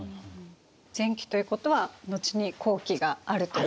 前期ということは後に後期があるということですね。